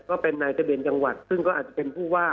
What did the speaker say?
ก็เป็นนายทะเบียนจังหวัดซึ่งก็อาจจะเป็นผู้ว่า